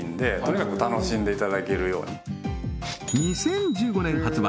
２０１５年発売